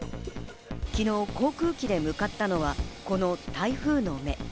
昨日、航空機で向かったのは、この台風の目。